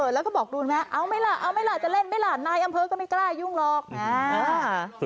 แล้วก็บอกดูไหมเอาไหมล่ะเอาไหมล่ะจะเล่นไหมล่ะนายอำเภอก็ไม่กล้ายุ่งหรอก